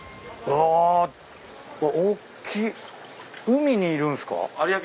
海にいるんすか？